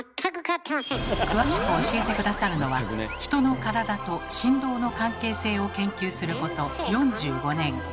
詳しく教えて下さるのはヒトの体と振動の関係性を研究すること４５年。